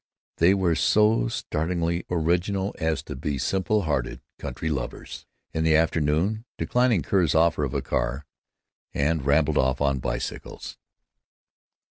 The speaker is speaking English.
They were so startlingly original as to be simple hearted country lovers, in the afternoon, declining Kerr's offer of a car, and rambling off on bicycles.